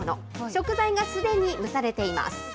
食材がすでに蒸されています。